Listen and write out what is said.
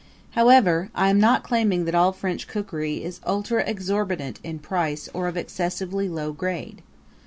However, I am not claiming that all French cookery is ultra exorbitant in price or of excessively low grade.